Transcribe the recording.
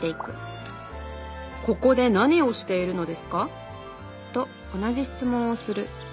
「ここで何をしているのですか？」と同じ質問をする。